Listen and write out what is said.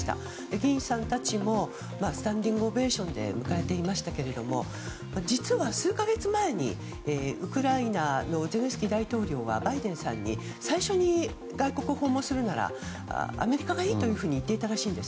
議員さんたちもスタンディングオベーションで迎えていましたけれども実は数か月前にウクライナのゼレンスキー大統領はバイデンさんに最初に外国訪問するならアメリカがいいというふうに言っていたらしいんです。